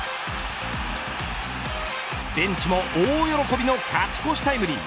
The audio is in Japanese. ベンチも大喜びの勝ち越しタイムリー。